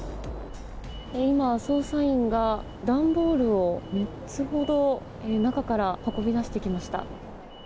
今、捜査員が段ボールを３つほど、中から運び出してきました。